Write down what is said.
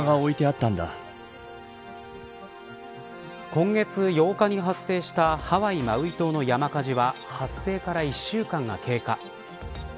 今月８日に発生したハワイ・マウイ島の山火事は発生から１週間が経過。